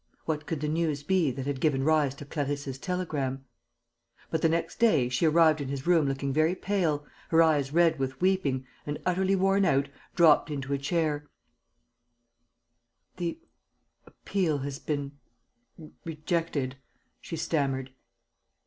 What could the news be that had given rise to Clarisse's telegram? But, the next day, she arrived in his room looking very pale, her eyes red with weeping, and, utterly worn out, dropped into a chair: "The appeal has been rejected," she stammered.